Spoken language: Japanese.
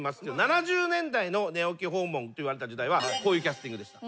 ７０年代の寝起き訪問といわれた時代はこういうキャスティングでした。